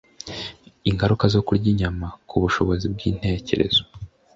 ingaruka zo kurya inyama ku bushobozi bw'intekerezo